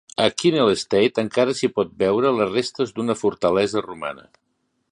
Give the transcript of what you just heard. A Kinneil Estate encara s'hi pot veure les restes d'una fortalesa romana.